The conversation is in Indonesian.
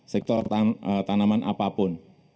sektor tanaman apapun